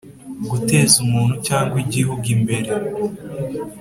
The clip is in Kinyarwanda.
guteza umuntu cyangwa igihugu imbere